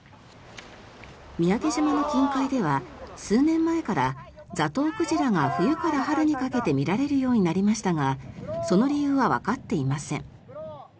三宅島の近海では数年前からザトウクジラが冬から春にかけて見られるようになりましたがその理由はわかっていません。